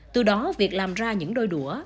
từ đó việc làm ra những đôi đũa